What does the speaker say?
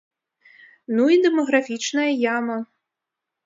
Ну і дэмаграфічная яма.